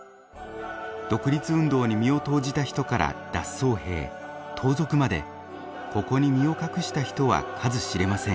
独立運動に身を投じた人から脱走兵盗賊までここに身を隠した人は数知れません。